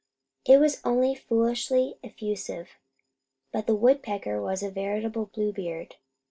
It was only foolishly effusive, but the woodpecker was a veritable Bluebeard.